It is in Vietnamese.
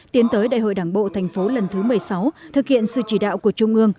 tiến tới đại hội đảng bộ thành phố lần thứ một mươi sáu thực hiện sự chỉ đạo của trung ương